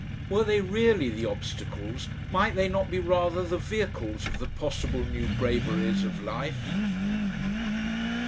Were they really the obstacles, might they not be rather the vehicles of the possible new braveries of life?